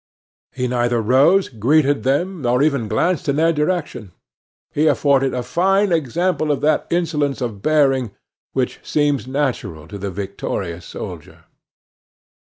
He neither rose, greeted them, nor even glanced in their direction. He afforded a fine example of that insolence of bearing which seems natural to the victorious soldier.